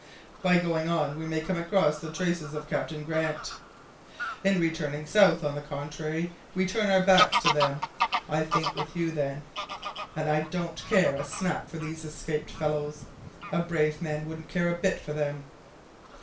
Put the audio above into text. "By going on we may come across the traces of Captain Grant. In returning south, on the contrary, we turn our backs to them. I think with you, then, and I don't care a snap for these escaped fellows. A brave man wouldn't care a bit for them!"